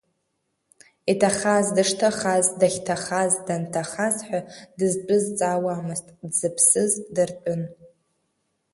Иҭахаз дышҭахаз, дахьҭахаз, данҭахаз ҳәа дызтәыз ҵаауамызт, дзыԥсыз дыртәын.